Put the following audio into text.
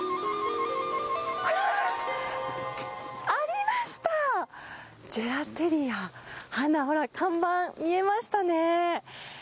あららら、ありました、ジェラテリアハナ、ほら、看板見えましたね。